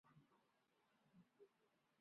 目前所有的矿山企业都在应用。